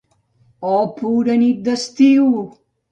Oh pura nit d'estiu!